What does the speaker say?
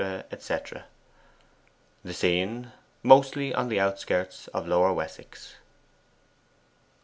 etc. THE SCENE Mostly on the outskirts of Lower Wessex.